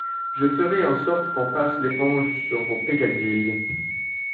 Je ferai en sorte qu'on passe l'éponge sur vos peccadilles.